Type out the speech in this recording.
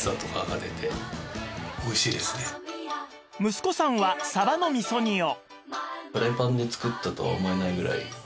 息子さんはサバの味噌煮を